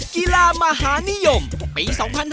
กีฬามหานิยมปี๒๕๕๙